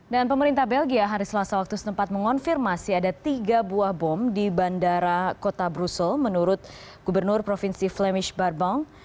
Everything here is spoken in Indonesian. dan pemerintah belgia hari selasa waktu setempat mengonfirmasi ada tiga buah bom di bandara kota brussel menurut gubernur provinsi flemish barbong